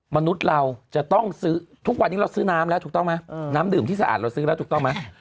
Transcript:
มนุษย์เราจะต้องซื้อทุกวันนี้เราซื้อน้ำแล้วถูกต้องไหมน้ำดื่มที่สะอาดเราซื้อแล้วถูกต้องไหม